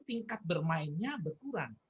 tingkat bermainnya berkurang